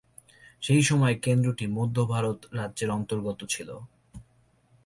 সেই সময়ে কেন্দ্রটি মধ্য ভারত রাজ্যের অন্তর্গত ছিল।